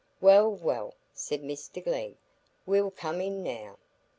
"Well, well," said Mr Glegg, "we'll come in now."